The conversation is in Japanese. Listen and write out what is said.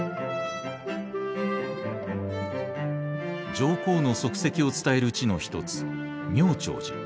上皇の足跡を伝える地の一つ名超寺。